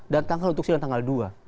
dan tanggal untuk silin tanggal dua